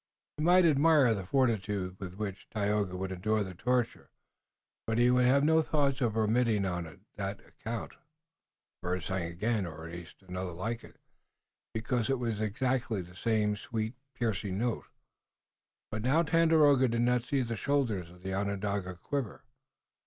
He might admire the fortitude with which Tayoga would endure the torture, but he would have no thought of remitting it on that account. The bird sang again, or another like it, because it was exactly the same sweet, piercing note, but now Tandakora did not see the shoulders of the Onondaga quiver.